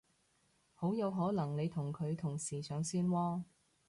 好有可能你同佢同時上線喎